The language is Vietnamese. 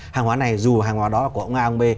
hàng hóa này dù hàng hóa đó là của ông a ông bê